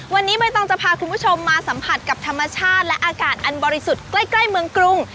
วันนี้ใบตองจะพาคุณผู้ชมมาสัมผัสกับธรรมชาติและอากาศอันบริสุทธิ์ใกล้เมืองกรุง